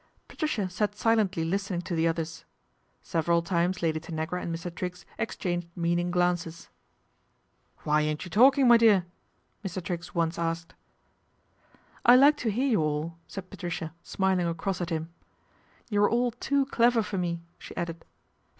atricia sat silently listening to the others. >everal times Lady Tanagra and Mr. Triggs ex hanged meaning glances. ' Why ain't you talking, me dear ?" Mr. Triggs once asked. ' I like to hear you all," said Patricia, smiling icross at him. " You're all too clever for me," she idded.